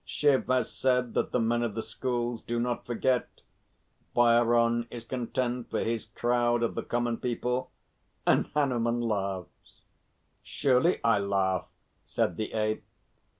Shiv has said that the men of the schools do not forget; Bhairon is content for his crowd of the Common People; and Hanuman laughs." "Surely I laugh," said the Ape.